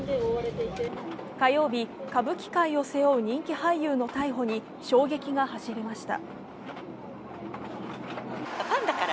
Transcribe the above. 火曜日、歌舞伎界を背負う人気俳優の逮捕に衝撃が走りました。